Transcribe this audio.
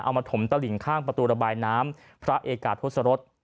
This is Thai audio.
มาถมตลิ่งข้างประตูระบายน้ำพระเอกาทศรษ